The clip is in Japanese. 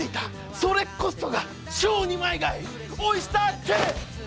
それこそが超二枚貝オイスターＫ！